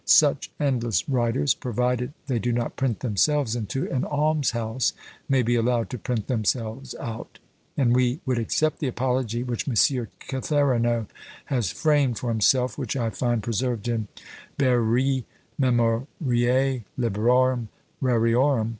Such endless writers, provided they do not print themselves into an alms house, may be allowed to print themselves out; and we would accept the apology which Monsieur Catherinot has framed for himself, which I find preserved in Beyeri MemoriÃḊ Librorum Rariorum.